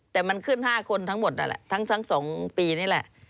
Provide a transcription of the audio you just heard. แต่มันขึ้น๕คนทั้งหมดนั่นแหละทั้ง๒ปีนี่แหละ